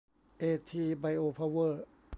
เอทีไบโอเพาเวอร์